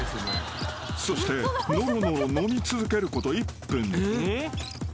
［そしてのろのろ飲み続けること１分］